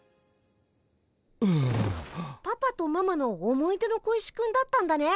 パパとママの思い出の小石くんだったんだね。